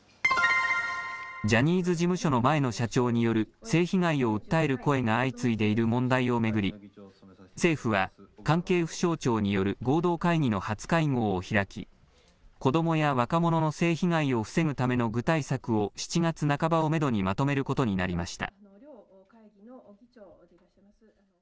ジャニーズ事務所の前の社長による性被害を訴える声が相次いでいる問題を巡り、政府は、関係府省庁による合同会議の初会合を開き、子どもや若者の性被害を防ぐための具体策を７月半ばをメドにまとめることになりました。